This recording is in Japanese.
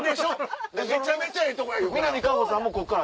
めちゃめちゃええとこいうから。